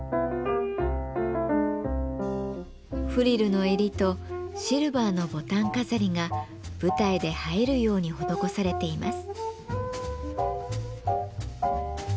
フリルの襟とシルバーのボタン飾りが舞台で映えるように施されています。